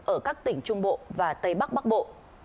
ở các tỉnh trung bộ và tây bắc bắc bộ